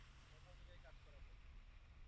কথা অনুযায়ী কাজ করা চাই।